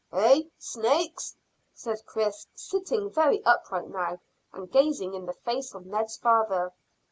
"Eh? Snakes?" said Chris, sitting very upright now, and gazing in the face of Ned's father.